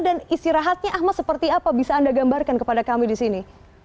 dan istirahatnya ahmad seperti apa bisa anda gambarkan kepada kami di sini